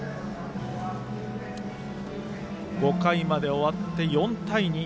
５回まで終わって４対２。